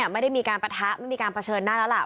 ไม่ได้มีการประทับไม่ได้มีการประเฌิญหน้าแล้ว